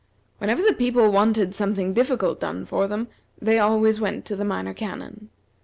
Whenever the people wanted something difficult done for them, they always went to the Minor Canon.